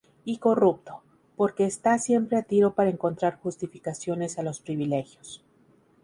Y corrupto, porque está siempre a tiro para encontrar justificaciones a los privilegios.